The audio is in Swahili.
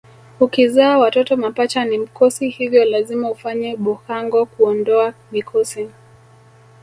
Ukizaa watoto mapacha ni mkosi hivyo lazima ufanye bhukango kuondoa mikosi